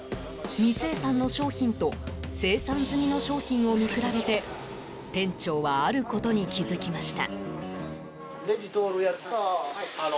未精算の商品と精算済みの商品を見比べて店長はあることに気づきました。